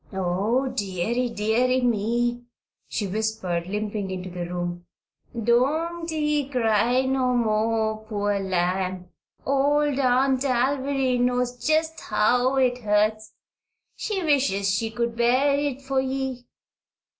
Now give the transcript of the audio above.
"Oh, deary, deary, me!" she whispered, limping into the room. "Don't ee cry no more, poor lamb. Old Aunt Alviry knows jest how it hurts she wishes she could bear it for ye!